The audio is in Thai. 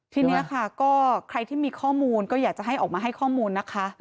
ทีนี้ค่ะก็ใครที่มีข้อมูลก็อยากจะให้ออกมาให้ข้อมูลนะคะ